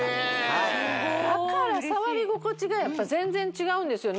はいへえだから触り心地がやっぱ全然違うんですよ